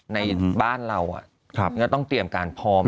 ในบ้านเราก็ต้องเตรียมการพร้อม